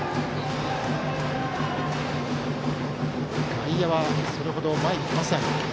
外野はそれほど前に来ません。